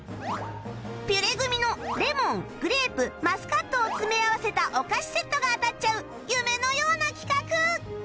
ピュレグミのレモングレープマスカットを詰め合わせたお菓子セットが当たっちゃう夢のような企画